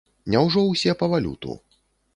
Няўжо ўсе па валюту?